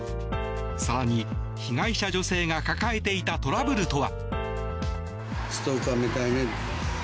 更に被害者女性が抱えていたトラブルとは。